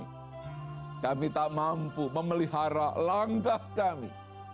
tapi kami tak mampu memelihara langkah kami